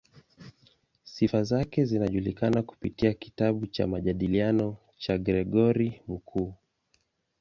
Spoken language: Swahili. Sifa zake zinajulikana kupitia kitabu cha "Majadiliano" cha Gregori Mkuu.